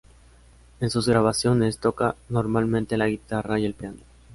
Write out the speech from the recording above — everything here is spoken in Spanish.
En sus grabaciones toca normalmente la guitarra y el piano.